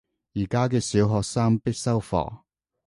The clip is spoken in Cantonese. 而家嘅小學生必修課